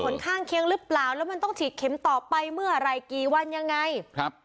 ข้างเคียงหรือเปล่าแล้วมันต้องฉีดเข็มต่อไปเมื่อไหร่กี่วันยังไงครับ